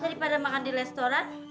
daripada makan di restoran